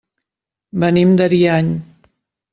Venim d'Ariany.